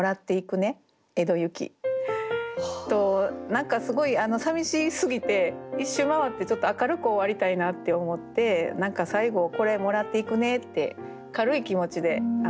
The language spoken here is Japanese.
何かすごいさみしすぎて一周回ってちょっと明るく終わりたいなって思って何か最後「これ、もらっていくね」って軽い気持ちでうたってみました。